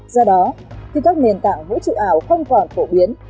do đó khi các nền tảng vũ trụ ảo không còn phổ biến